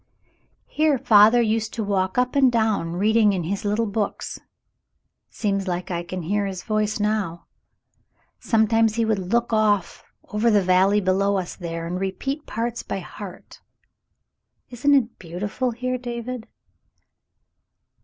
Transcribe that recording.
"Here father used to walk up and down reading in his little books ; seems like I can hear his voice now. Some times he would look off over the valley below us there and repeat parts by heart. Isn't it beautiful here, David.?"